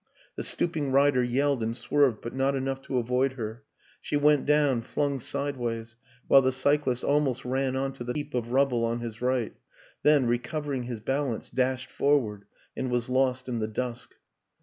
The stooping rider yelled and swerved, but not enough to avoid her; she went down, flung side ways, while the cyclist almost ran on to the heap of rubble on his right then, recovering his bal ance, dashed forward and was lost in the dusk.